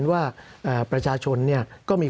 สำหรับกำลังการผลิตหน้ากากอนามัย